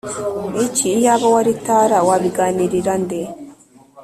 iki iyaba wari Tara Wabiganirira nde